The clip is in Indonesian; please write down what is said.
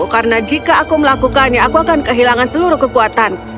karena jika aku melakukannya aku akan kehilangan seluruh kekuatanku